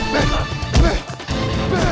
pergi ke kita